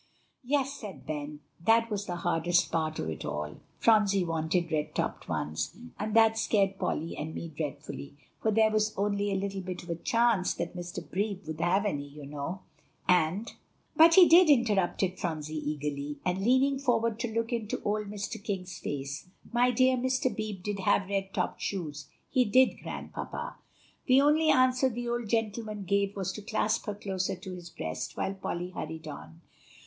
"Yes," said Ben, "that was the hardest part of it all. Phronsie wanted red topped ones, and that scared Polly and me dreadfully; for there was only a little bit of a chance that Mr. Beebe would have any, you know, and" "But he did," interrupted Phronsie eagerly, and leaning forward to look into old Mr. King's face. "My dear Mr. Beebe did have red topped shoes; he did, Grandpapa." The only answer the old gentleman gave was to clasp her closer to his breast, while Polly hurried on.